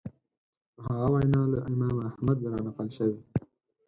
نو هغه وینا له امام احمد رانقل شوې